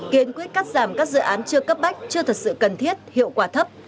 kiên quyết cắt giảm các dự án chưa cấp bách chưa thật sự cần thiết hiệu quả thấp